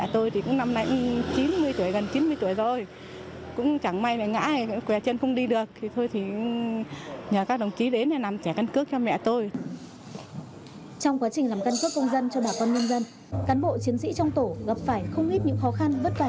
trong quá trình làm căn cước công dân cho bà con nhân dân cán bộ chiến sĩ trong tổ gặp phải không ít những khó khăn vất vả